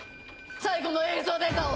最後の映像データを！